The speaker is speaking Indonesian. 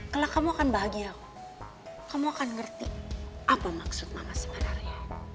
kalau kamu akan bahagia kamu akan ngerti apa maksud mama sebenarnya